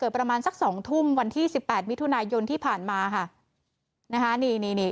ประมาณสักสองทุ่มวันที่สิบแปดมิถุนายนที่ผ่านมาค่ะนะคะนี่นี่นี่